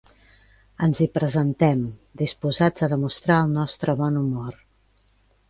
Ens hi presentem, disposats a demostrar el nostre bon humor.